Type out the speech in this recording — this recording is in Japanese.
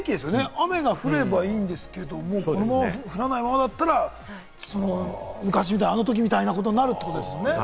雨が降ればいいんですけれど、降らないままだったら、昔みたいな、あのときみたいになるってことですね。